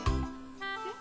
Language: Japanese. えっ？